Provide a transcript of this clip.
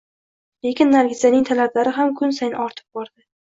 Lekin Nargizaning talablari ham kun sayin ortib bordi